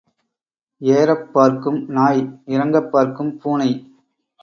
ஏறப் பார்க்கும் நாய் இறங்கப் பார்க்கும் பூனை.